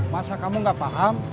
masa kamu enggak paham